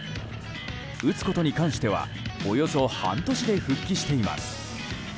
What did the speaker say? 打つことに関してはおよそ半年で復帰しています。